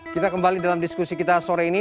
kita kembali dalam diskusi kita sore ini